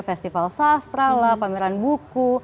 festival sastralah pameran buku